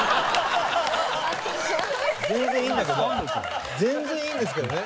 全然いいんですけどね。